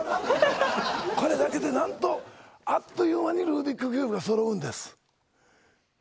これだけでなんと、あっという間にルービックキューブがそろうんです。